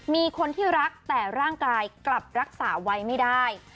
มีคนที่รักแต่ร่างกายกลับรักษาไว้ไม่ได้